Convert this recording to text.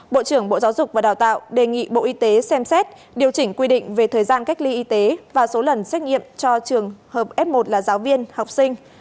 bộ trưởng bộ giáo dục và đào tạo đề nghị bộ y tế xem xét điều chỉnh quy định về thời gian cách ly y tế và số lần xét nghiệm cho trường hợp f một là giáo viên học sinh